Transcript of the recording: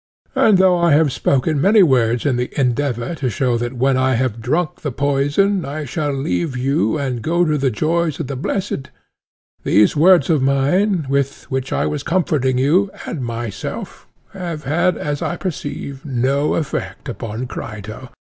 And though I have spoken many words in the endeavour to show that when I have drunk the poison I shall leave you and go to the joys of the blessed,—these words of mine, with which I was comforting you and myself, have had, as I perceive, no effect upon Crito.